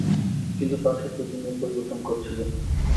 কিন্তু তা সত্ত্বেও তিনি এর পরিবর্তন করছিলেন না।